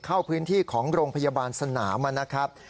เข้าพื้นที่ของโรงพยาบาลสนามนะครับ